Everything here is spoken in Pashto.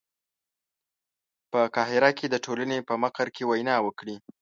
په قاهره کې د ټولنې په مقر کې وینا وکړي.